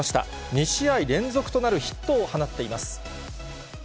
２試合連続となるヒットを放っています。